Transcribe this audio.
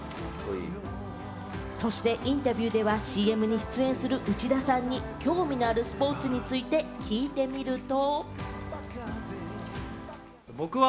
そしてインタビューでは、ＣＭに出演する内田さんに、興味のあるスポーツについて聞いてみると。